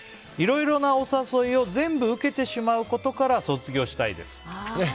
いろいろなお誘いを全部受けてしまうことから卒業したいです。